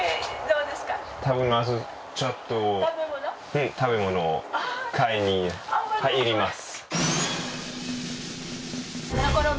うん食べ物買いに入ります。